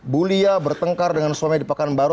bulia bertengkar dengan suami di pekanbaru